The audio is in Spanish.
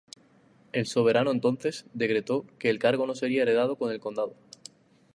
El soberano entonces decretó que el cargo no sería heredado con el condado.